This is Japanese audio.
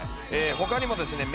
他にもですね